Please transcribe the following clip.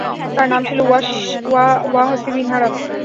তার নাম ছিল ওয়াহাশী বিন হারব।